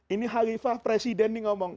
ini halifah presiden ini ngomong